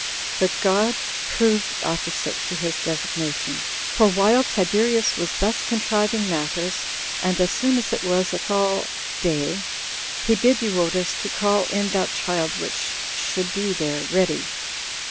But God proved opposite to his designation; for while Tiberius was thus contriving matters, and as soon as it was at all day, he bid Euodus to call in that child which should be there ready.